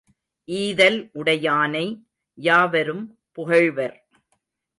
ஈதல் உடையானை யாவரும் புகழ்வர்.